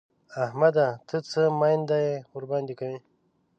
احمده! ته څه مينده يي ورباندې کوې؟!